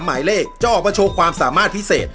หมายเลขจะออกมาโชว์ความสามารถพิเศษ